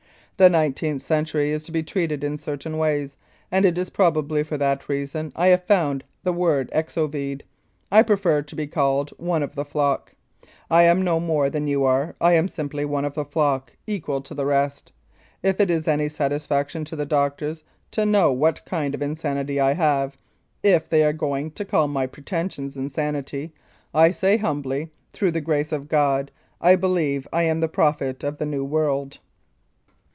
... The nineteenth century is to be treated in certain ways, and it is probably for that reason I have found the word Exovede. I prefer to be called ' one of the flock. ' I am no more than you are, I am simply one of the flock, equal to the rest. If it is any satisfaction to the doctors to know what kind of insanity I have, if they are going to call my pretensions insanity, I say humbly, through the grace of God, I believe I am the prophet of the New World."